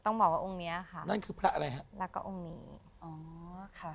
นั่นคือพระอะไรคะ